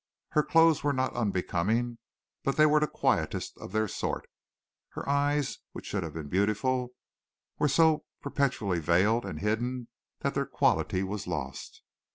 Her clothes were not unbecoming, but they were the quietest of their sort. Her eyes, which should have been beautiful, were so perpetually veiled and hidden that their quality was lost.